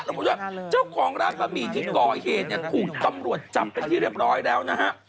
แล้วผมคิดว่าเจ้าของร้านกะหมี่ที่กอเฮนเนี่ยคู่ตำรวจจับไปที่เรียบร้อยแล้วนะฮะ